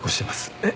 えっ。